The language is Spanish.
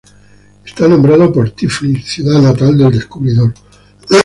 Está nombrado por Tiflis, ciudad natal del descubridor.